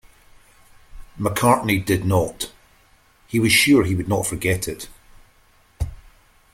McCartney did not; he was sure he would not forget it.